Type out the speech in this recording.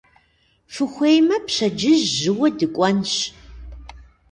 Фыхуеймэ, пщэдджыжь жьыуэ дыкӀуэнщ.